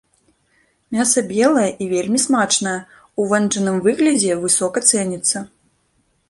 Мяса белае і вельмі смачнае, у вэнджаным выглядзе высока цэніцца.